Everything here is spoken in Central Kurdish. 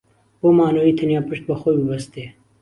بۆ مانەوەی تەنیا پشت بە خۆی ببەستێ